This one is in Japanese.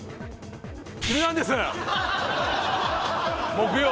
木曜？